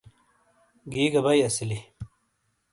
گی گہ بئی اسیلی۔